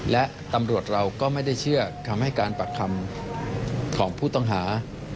และตำรวจเราก็ไม่ได้เชื่อคำให้การปักคำของผู้ต้องหา